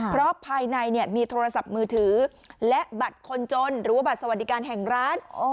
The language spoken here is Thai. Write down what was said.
เพราะภายในมีโทรศัพท์มือถือและบัตรคนจนหรือว่าบัตรสวัสดิการแห่งร้าน